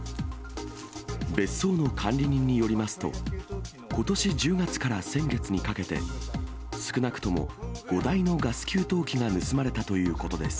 別荘の管理人によりますと、ことし１０月から先月にかけて、少なくとも５台のガス給湯器が盗まれたということです。